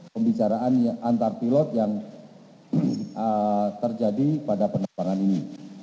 pembicaraan antar pilot yang terjadi pada penerbangan ini